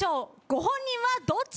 ご本人はどっち？